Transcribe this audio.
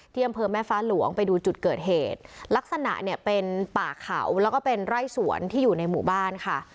อำเภอแม่ฟ้าหลวงไปดูจุดเกิดเหตุลักษณะเนี่ยเป็นป่าเขาแล้วก็เป็นไร่สวนที่อยู่ในหมู่บ้านค่ะ